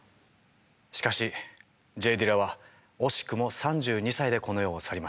しかしＪ・ディラは惜しくも３２歳でこの世を去りました。